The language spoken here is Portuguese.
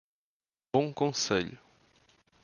Bom Conselho